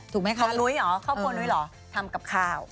ถูกไหมคะเข้าครัวนุ้ยเหรอเข้าครัวนุ้ยเหรอทำกับข้าว